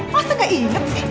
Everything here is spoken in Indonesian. masa gak inget sih